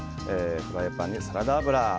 フライパンにサラダ油。